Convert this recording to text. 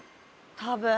多分。